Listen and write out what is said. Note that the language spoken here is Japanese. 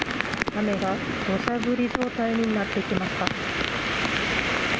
雨がどしゃ降り状態になってきました。